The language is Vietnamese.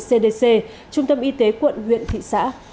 cdc trung tâm y tế quận huyện thị xã